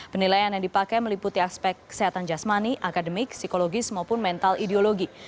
penilaian yang dipakai meliputi aspek kesehatan jasmani akademik psikologis maupun mental ideologi